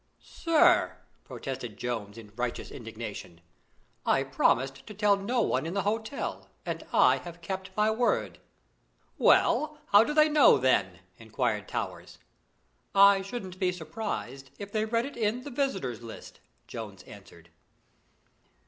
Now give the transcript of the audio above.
"Sir," protested Jones, in righteous indignation, "I promised to tell no one in the hotel, and I have kept my word!" "Well, how do they know then?" enquired Towers. "I shouldn't be surprised if they read it in the Visitors' List," Jones answered.